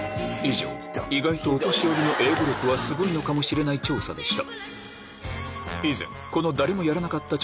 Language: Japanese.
意外とお年寄りの英語力はすごいのかもしれない調査でした